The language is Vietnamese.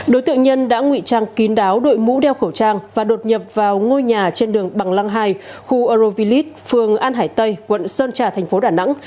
đối tượng nhân đã ngụy trang kín đáo đội mũ đeo khẩu trang và đột nhập vào ngôi nhà trên đường bằng lăng hai khu arovilite phường an hải tây quận sơn trà thành phố đà nẵng